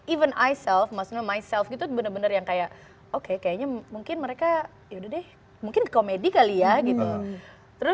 even i self maksudnya myself gitu bener bener yang kayak oke kayaknya mungkin mereka yaudah deh mungkin komedi kali ya gitu